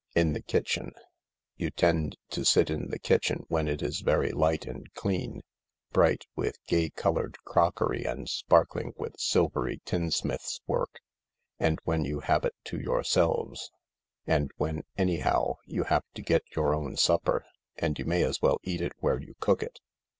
In the kitchen. You tend to sit in the kitchen when it is very light and clean bright with gay coloured crockery and sparkling with silvery tinsmith's work ; and when you have it to yourselves ; and THE LARK 45 when, anyhow, you have to get your own supper, and you may as well eat it where you cook it.